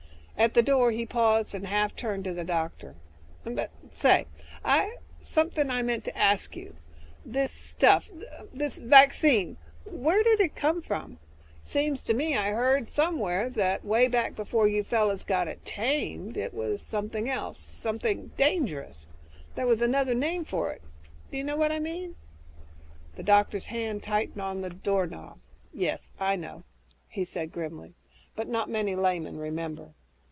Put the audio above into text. At the door he paused and half turned to the doctor, "But say ... something I meant to ask you. This 'stuff' ... er, this vaccine ... where did it come from? Seems to me I heard somewhere that, way back before you fellows got it 'tamed' it was something else dangerous. There was another name for it. Do you know what I mean?" The doctor's hand tightened on the doorknob. "Yes, I know," he said grimly, "but not many laymen remember.